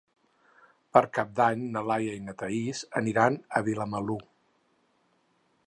Per Cap d'Any na Laia i na Thaís aniran a Vilamalur.